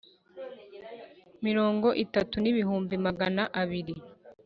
mirongo itatu n ibihumbi magana abiri